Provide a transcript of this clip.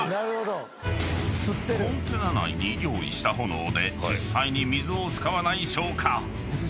［コンテナ内に用意した炎で実際に水を使わない消火］